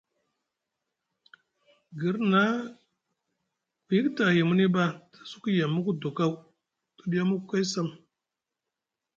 Girna ku yikiti ahi muni ɓa te suku yem muku doo kaw te ɗiya muku kay sam.